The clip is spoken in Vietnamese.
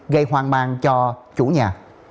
gây hoang mang cho chủ nhà